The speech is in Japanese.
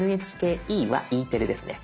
ＮＨＫＥはＥテレですね。